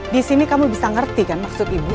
di sini kamu bisa ngerti kan maksud ibu